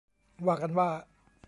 ว่ากันว่า